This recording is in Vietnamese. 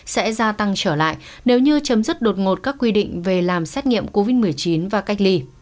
sẽ gia tăng trở lại nếu như chấm dứt đột ngột các quy định về làm xét nghiệm covid một mươi chín và cách ly